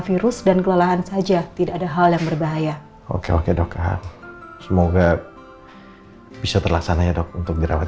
virus dan kelelahan saja tidak ada hal yang berbahaya semoga bisa terlaksananya untuk dirawat